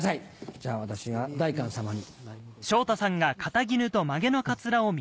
じゃあ私が代官様に。